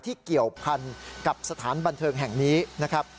เกี่ยวพันกับสถานบันเทิงแห่งนี้นะครับ